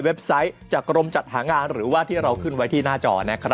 ไซต์จากกรมจัดหางานหรือว่าที่เราขึ้นไว้ที่หน้าจอ